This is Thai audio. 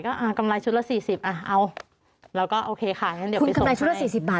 ก็อ่ากำไรชุดละสี่สิบอ่าเอาแล้วก็ค่ะคุณกำไรชุดละสี่สิบบาท